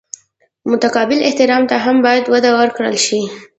متقابل احترام ته هم باید وده ورکړل شي.